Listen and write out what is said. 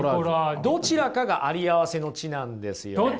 どちらかがありあわせの知なんですよ。